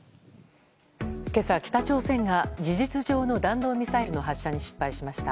今朝、北朝鮮が事実上の弾道ミサイルの発射に失敗しました。